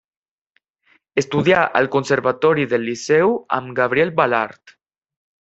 Estudià al conservatori del Liceu amb Gabriel Balart.